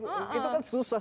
itu kan susah